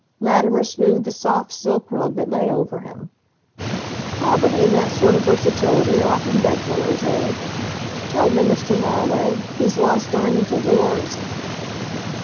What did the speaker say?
Latimer smoothed the soft silk rug that lay over him. "Poverty and that sort of versatility are often bedfellows, eh?... Tell me, Mr. Moriway, these lost diamonds are yours?"